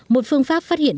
một phương pháp phát hiện